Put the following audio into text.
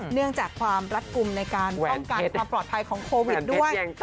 เนื่องจากความรัดกลุ่มในการป้องกันความปลอดภัยของโควิดด้วย